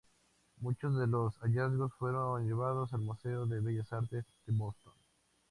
Muchos de los hallazgos fueron llevados al Museo de Bellas Artes de Boston.